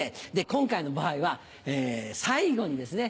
今回の場合は最後にですね